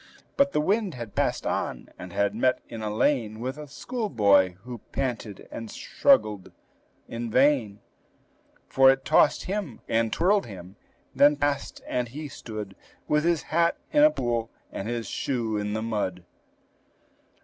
But the wind had passed on, and had met in a lane With a schoolboy, who panted and struggled in vain, For it tossed him, and twirled him, then passed, and he stood With his hat in a pool, and his shoe in the mud.